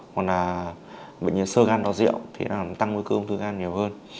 hoặc là bệnh nhân sơ gan do rượu thì nó nằm tăng nguy cơ ung thư gan nhiều hơn